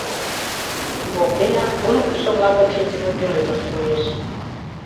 Воктенак туныктышо-влакын шинчыме пӧлемышт коеш.